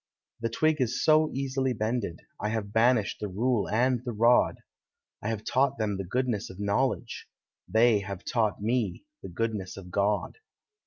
The twig is so easily bended, I have banished the rule and the rod ; I have taught them the goodness of knowledge. They have taught me the goodness of God.